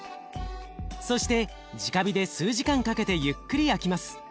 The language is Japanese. そしてじか火で数時間かけてゆっくり焼きます。